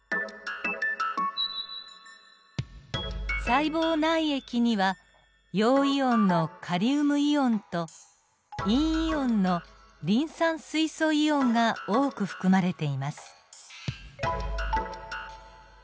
細胞内液には陽イオンのカリウムイオンと陰イオンのリン酸水素イオンが多く含まれています。